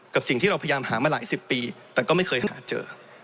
สิ่งที่เราพยายามหามาหลายสิบปีแต่ก็ไม่เคยหาเจอ